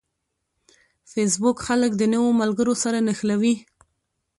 فېسبوک خلک د نوو ملګرو سره نښلوي